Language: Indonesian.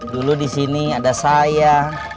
dulu disini ada saya